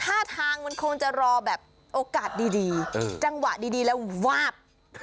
ท่าทางมันคงจะรอแบบโอกาสดีจังหวะดีแล้ววาบ